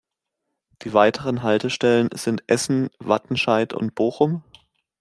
Die weiteren Haltestellen sind Essen, Wattenscheid und Bochum.